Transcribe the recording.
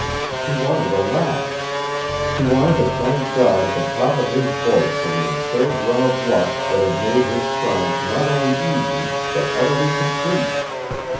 He wanted to laugh. He wanted to thank God at the top of his voice for the absurd run of luck that had made his triumph not only easy but utterly complete.